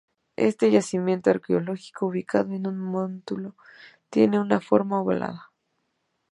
Este yacimiento arqueológico, ubicado en un montículo, tiene una forma ovalada.